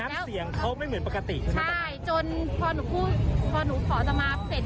น้ำเสียงเขาไม่เหมือนปกติใช่จนพอหนูพูดพอหนูขอตมาเสร็จ